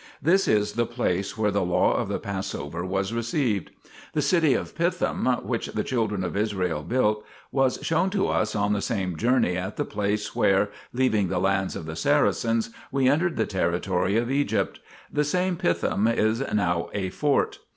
This is the place where the law of the Passover was received. 1 The city of Pithom, which the children of Israel built, 2 was shown to us on the same journey at the place where, leaving the lands of the Saracens, we entered the territory of Egypt ; the same Pithom is now a fort.